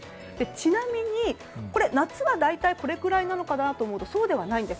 ちなみに、夏は大体これぐらいなのかなと思うとそうではないんです。